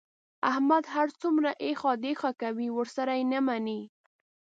احمد هر څومره ایخوا دیخوا کوي، ورسره یې نه مني.